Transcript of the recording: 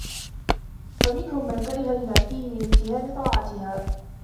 فَمِنْهُمْ مَنْ كَرِهَهُ لِمَا فِيهِ مِنْ اتِّهَامِ طَاعَتِهَا